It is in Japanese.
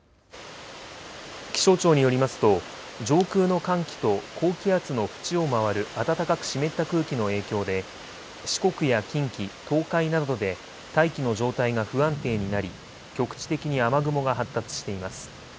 気象庁によりますと上空の寒気と高気圧の縁を回る暖かく湿った空気の影響で四国や近畿、東海などで大気の状態が不安定になり局地的に雨雲が発達しています。